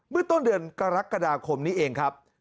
เมื่อต้นเดือนกรกฎาคมนี้เองครับ